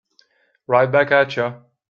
Right back at you.